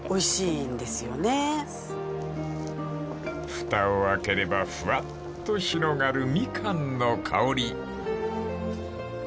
［ふたを開ければふわっと広がるみかんの香り］